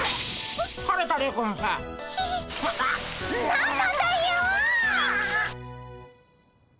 何なんだよ！